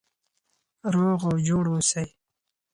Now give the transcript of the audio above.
روغ او جوړ اوسئ.